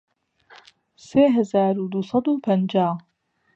سێ هەزار و دوو سەد و پەنجا